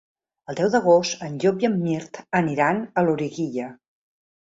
El deu d'agost en Llop i en Mirt aniran a Loriguilla.